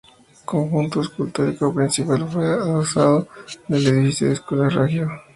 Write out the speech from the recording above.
El conjunto escultórico principal fue adosado al edificio de las Escuelas Raggio.